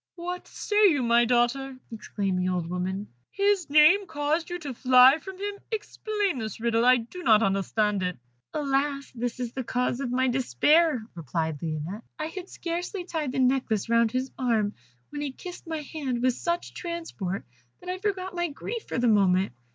"What say you, my daughter?" exclaimed the old woman; "his name caused you to fly from him? Explain this riddle I do not understand it." "Alas! this is the cause of my despair," replied Lionette. "I had scarcely tied the necklace round his arm, when he kissed my hand with such transport that I forgot my grief for the moment.